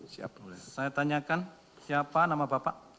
saya tanyakan siapa nama bapak